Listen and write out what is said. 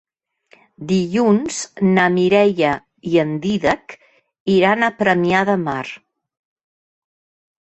Dilluns na Mireia i en Dídac iran a Premià de Mar.